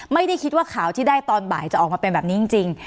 ไม่ได้คิดว่าข่าวที่ได้ตอนบ่ายจะออกมาเป็นแบบนี้จริง